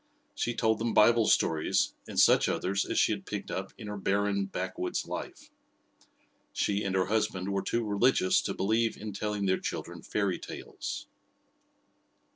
She told them Bible stories and such others as she had picked up in her barren, backwoods life. She and her husband were too religious to believe in telling their children fairy tales.